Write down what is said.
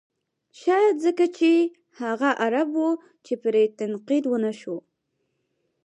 شاید ځکه چې هغه عرب و چې پرې تنقید و نه شو.